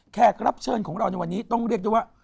แขกรับเชิญของเราในวันนี้ต้องเรียกได้ว่า